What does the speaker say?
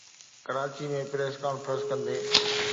Karachi ۾ press conference ڪندي